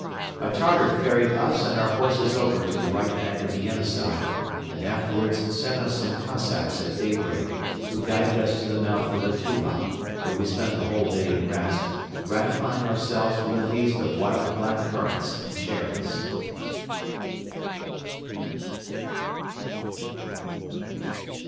A Tartar ferried us and our horses over to the right bank of the Yenisei and afterwards sent us some Cossacks at daybreak who guided us to the mouth of the Tuba, where we spent the whole day in rest, gratifying ourselves with a feast of wild black currants and cherries.